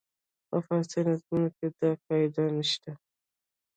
په فارسي نظمونو کې دا قاعده نه شته.